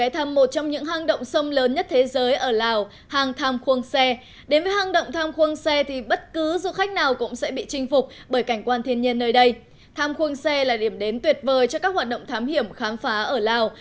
tham khuôn xe là điểm đến tuyệt vời cho các hoạt động thám hiểm khám phá ở lào